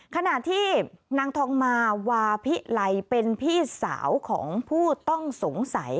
ขณะที่นางทองมาวาพิไลเป็นพี่สาวของผู้ต้องสงสัย